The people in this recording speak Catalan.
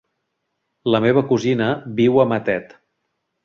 La meva cosina viu a Matet.